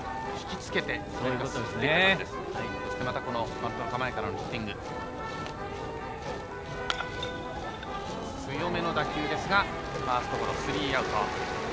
そして、またバントの構えからのヒッティング強めの打球ですがスリーアウト。